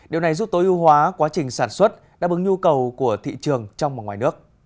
điều này giúp tối ưu hóa quá trình sản xuất đáp ứng nhu cầu của thị trường trong và ngoài nước